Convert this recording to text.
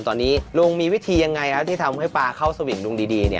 ตอนนี้ลุงมีวิธียังไงครับที่ทำให้ปลาเข้าสวิงลุงดี